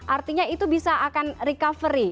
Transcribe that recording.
artinya itu bisa akan recovery